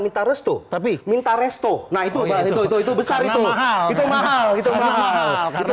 minta restu tapi minta resto nah itu itu besar itu mahal itu mahal itu mahal karena